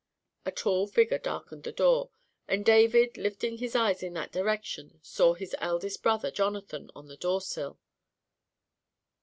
A tall figure darkened the door, and David, lifting his eyes in that direction, saw his eldest brother, Jonathan, on the door sill.